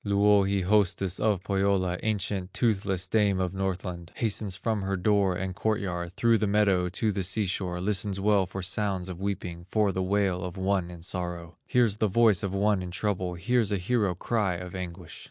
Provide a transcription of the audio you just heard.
Louhi, hostess of Pohyola, Ancient, toothless dame of Northland, Hastens from her door and court yard, Through the meadow to the sea shore, Listens well for sounds of weeping, For the wail of one in sorrow; Hears the voice of one in trouble, Hears a hero cry of anguish.